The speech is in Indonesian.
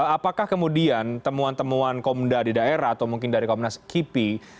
apakah kemudian temuan temuan komda di daerah atau mungkin dari komnas kipi